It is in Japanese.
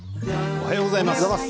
おはようございます。